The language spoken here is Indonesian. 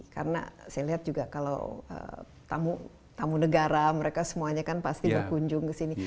karena saya lihat juga kalau tamu negara mereka semuanya kan pasti berkunjung ke sini